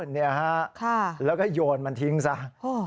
นี่ฮะแล้วก็โยนมันทิ้งสิฮะโอ้โฮ